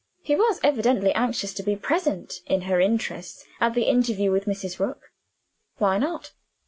He was evidently anxious to be present (in her interests) at the interview with Mrs. Rook. Why not?